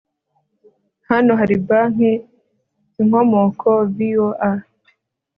Hano hari banki InkomokoVOA